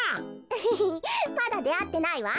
アハハまだであってないわ。